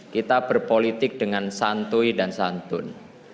kita berpolitik dengan santui dan santun